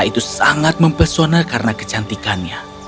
itu adalah suatu keseluruhannya